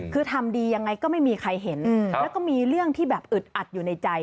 คือทำดียังไงก็ไม่มีใครเห็นแล้วก็มีเรื่องที่แบบอึดอัดอยู่ในใจ